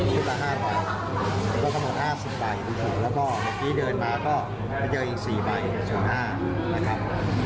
ชุดละ๕ใบก็คำว่า๕๐ใบแล้วก็เมื่อกี้เดินมาก็เจออีก๔ใบ๐๕นะครับ